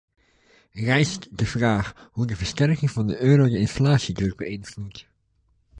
Rijst de vraag hoe de versterking van de euro de inflatiedruk beïnvloedt.